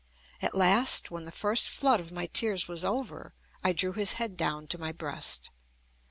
At last, when the first flood of my tears was over, I drew his head down to my breast.